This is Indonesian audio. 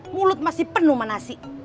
mulut masih penuh manasik